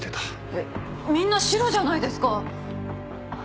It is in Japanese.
えっみんなシロじゃないですか。